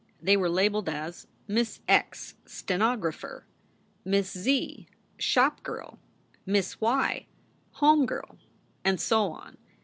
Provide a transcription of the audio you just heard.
They were labeled as "Miss X, stenographer; Miss Z, shopgirl; Miss Y, home girl"; and so on.